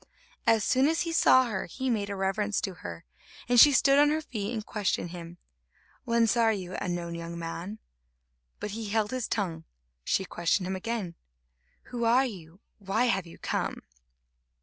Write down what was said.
As soon as he saw her, he made a reverence to her, and she stood on her feet and questioned him: "Whence are you, unknown young man?" But he held his tongue. She questioned him again: "Who are you? Why have you come?"